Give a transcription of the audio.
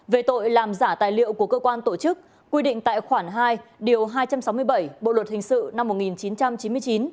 về tội làm giả tài liệu của cơ quan tổ chức quy định tại khoản hai điều hai trăm sáu mươi bảy bộ luật hình sự năm một nghìn chín trăm chín mươi chín